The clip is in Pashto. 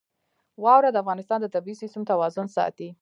واوره د افغانستان د طبعي سیسټم توازن ساتي.